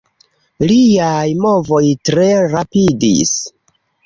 Liaj movoj tre rapidis.